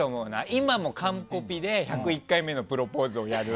今も完コピで「１０１回目のプロポーズ」をやる。